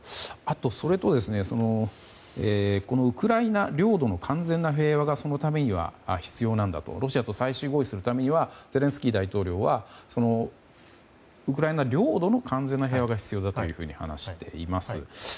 それと、ウクライナ領土の完全な平和がそのためには必要なんだとロシアと最終合意するためにはゼレンスキー大統領はウクライナ領土の完全な平和が必要だというふうに話しています。